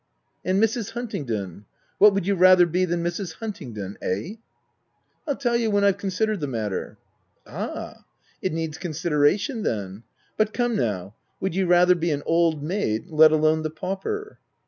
"And Mrs. Huntingdon? What would you rather be than Mrs. Huntingdon ? eh?" " Pll tell you when I've considered the mat ter." " Ah ! it needs consideration then— But come now— would you rather be an old maid— let alone the pauper